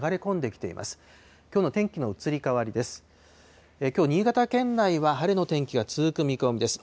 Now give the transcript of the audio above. きょう新潟県内は晴れの天気が続く見込みです。